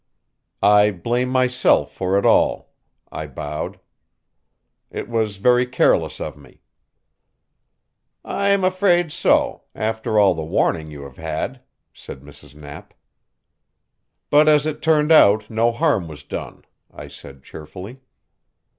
"I blame myself for it all," I bowed. "It was very careless of me." "I'm afraid so, after all the warning you have had," said Mrs. Knapp. "But as it turned out, no harm was done," I said cheerfully.